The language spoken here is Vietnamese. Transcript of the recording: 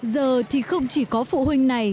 giờ thì không chỉ có phụ huynh này